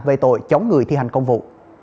về tội chống người thi hành công vụ